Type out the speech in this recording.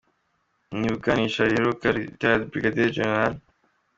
Mu iburanisha riheruka Rtd Brig Gen.